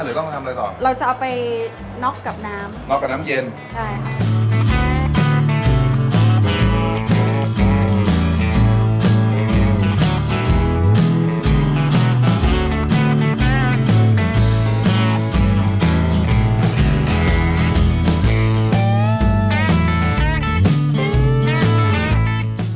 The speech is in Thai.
หรือต้องทำอะไรก่อนเราจะเอาไปน็อกกับน้ำน็อกกับน้ำเย็นใช่ค่ะ